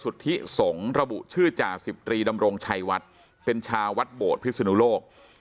ของระบุชื่อจ่าสิบตรีดำรงชัยวัดเป็นชาวัดบวชพิสุนุโลก